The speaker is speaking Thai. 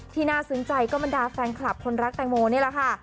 น่าซึ้งใจก็บรรดาแฟนคลับคนรักแตงโมนี่แหละค่ะ